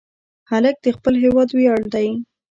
هلک د خپل هېواد ویاړ دی.